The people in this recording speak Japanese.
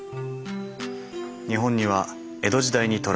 日本には江戸時代に渡来。